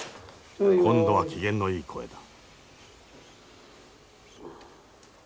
今度は機嫌のいい声だ。